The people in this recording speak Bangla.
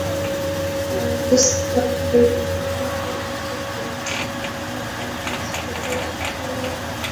দোস্তামের বিরুদ্ধে গুরুতর অভিযোগটি এনেছেন তাঁর নিজ প্রদেশ জোওজজানের সাবেক গভর্নর আহমেদ এসচি।